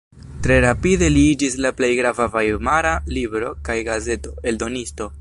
Tre rapide li iĝis la plej grava vajmara libro- kaj gazeto-eldonisto.